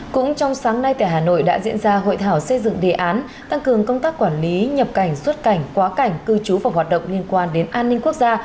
cũng trong sáng nay tại hà nội đã diễn ra hội thảo xây dựng đề án tăng cường công tác quản lý nhập cảnh xuất cảnh quá cảnh cư trú và hoạt động liên quan đến an ninh quốc gia